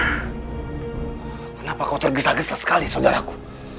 kenapa kau tergesa gesa sekali saudaraku